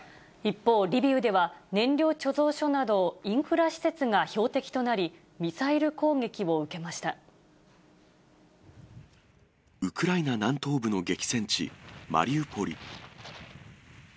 一方、リビウでは燃料貯蔵所など、インフラ施設が標的となり、ウクライナ南東部の激戦地、マリウポリ。